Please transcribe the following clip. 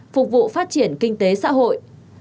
hai phục vụ phát triển kinh tế xã hội